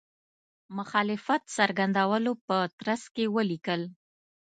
مخالفت څرګندولو په ترڅ کې ولیکل.